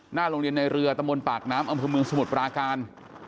หน้าโรงเรียนในเรือตะมนต์ปากน้ำอำเภอเมืองสมุทรปราการ